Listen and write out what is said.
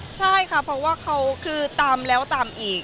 ใช่ค่ะเพราะว่าเขาคือตามแล้วตามอีก